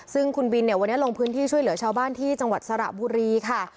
ซึ่งคุณบินเนี่ยวันนี้ลงพื้นที่ช่วยเหลือชาวบ้านที่จังหวัดสระบุรีค่ะ